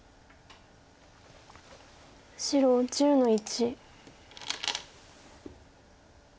白１０の一。